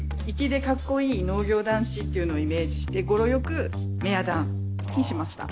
粋でかっこいい農業男子っていうのをイメージして語呂よくメヤダンにしました。